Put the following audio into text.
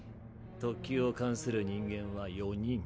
特級を冠する人間は４人。